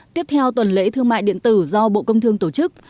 tiếp theo tuần lễ thương mại điện tử do bộ công thương tổ chức